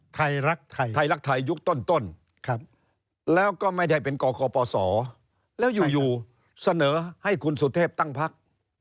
ไทยรักไทยยุคต้นแล้วก็ไม่ได้เป็นกคปศแล้วอยู่เสนอให้คุณสุเทพตั้งพัก